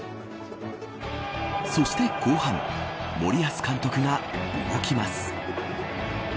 そして後半森保監督が動きます。